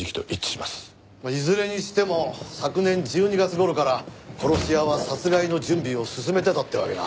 いずれにしても昨年１２月頃から殺し屋は殺害の準備を進めてたってわけだ。